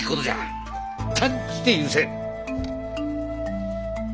断じて許せん！